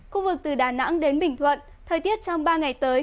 khu vực từ đà nẵng đến bình thuận thời tiết trong ba ngày tới